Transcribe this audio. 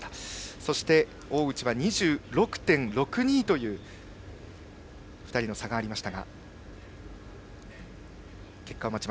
そして大内は２６．６２という２人の差がありました。